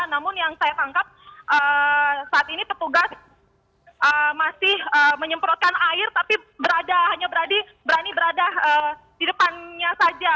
namun yang saya tangkap saat ini petugas masih menyemprotkan air tapi hanya berani berada di depannya saja